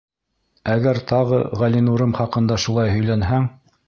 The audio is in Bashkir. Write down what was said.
Әгәр тағы Ғәлинурым хаҡында шулай һөйләнһәң...